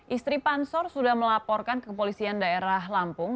istri pansor sudah melaporkan kepolisian daerah lampung